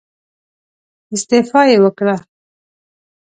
استعفا يې وکړه.